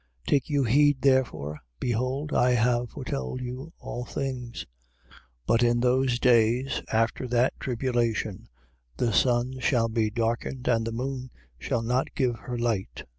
13:23. Take you heed therefore: behold, I have foretold you all things. 13:24. But in those days, after that tribulation, the sun shall be darkened and the moon shall not give her light.